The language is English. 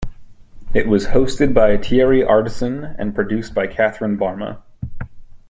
It was hosted by Thierry Ardisson and produced by Catherine Barma.